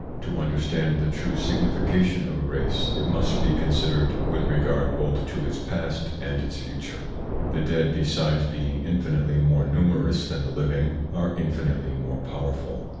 To understand the true signification of a race, it must be considered ITS INFLUENCE ON THEIR EVOLUTION n with regard both to its past and its future. The dead, besides being infinitely more numerous than the living, are infinitely more powerful.